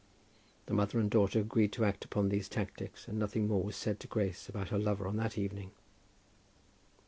The mother and daughter agreed to act upon these tactics, and nothing more was said to Grace about her lover on that evening.